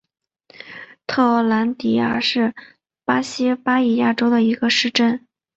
特奥兰迪亚是巴西巴伊亚州的一个市镇。